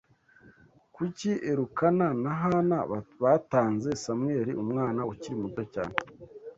Kuki Elukana na Hana batanze Samweli umwana ukiri muto cyane